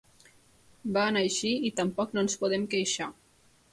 Va anar així i tampoc no ens podem queixar.